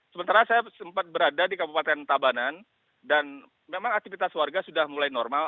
sementara saya sempat berada di kabupaten tabanan dan memang aktivitas warga sudah mulai normal